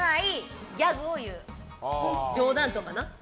冗談とかな。